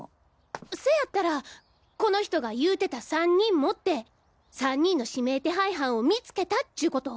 せやったらこの人が言うてた「３人も」って３人の指名手配犯を見つけたっちゅうこと？